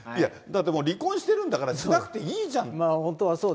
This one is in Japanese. だって離婚してるんだから、しなくていいじゃん。